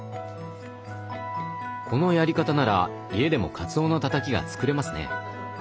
このやり方なら家でもかつおのたたきが作れますね。